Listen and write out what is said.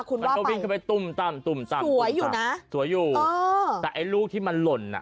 คุณว่าไปสวยอยู่นะสวยอยู่แต่ไอ้ลูกที่มันหล่น